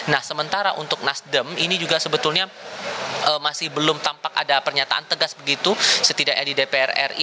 nah sementara untuk nasdem ini juga sebetulnya masih belum tampak ada pernyataan tegas begitu setidaknya di dpr ri